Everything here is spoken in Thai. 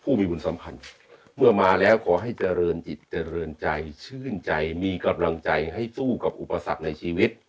ผู้มีบุญสัมพันธ์เมื่อมาแล้วขอให้เจริญจิตเจริญใจชื่นใจมีกำลังใจให้สู้กับอุปสรรคในชีวิต